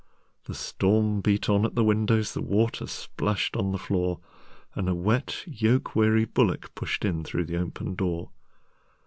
The storm beat on at the windows, The water splashed on the floor, And a wet, yoke weary bullockPushed in through the open door.